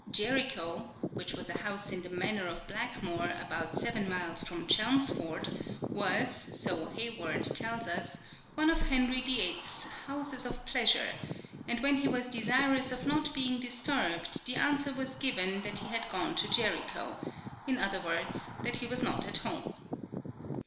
Jericho, which was a house in the Manor of Blackmore, about seven miles from Chelinsford, was, so Haywarde tells us, one of Henry VIII.'s " houses of pleasure," and when he was " desirous of not being disturbed, the answer given was that he had gone to Jericho ; in other words, that he was not at home."